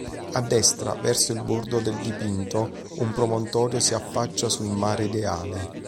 A destra, verso il bordo del dipinto un promontorio si affaccia sul mare ideale.